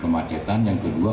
kemacetan yang kedua